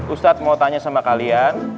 ustadz mau tanya sama kalian